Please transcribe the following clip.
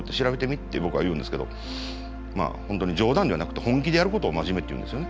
って僕は言うんですけど本当に冗談ではなくて本気でやることを真面目っていうんですよね。